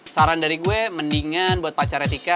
saran dari gue mendingan buat pacarnya tika